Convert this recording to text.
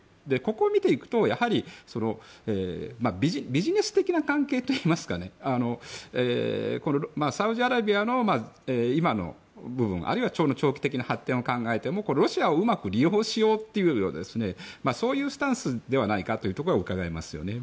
ここを見ていくとやはりビジネス的な関係といいますかサウジアラビアの今の部分あるいは長期的な発展を考えてもロシアをうまく利用しようというスタンスではないかということがうかがえますよね。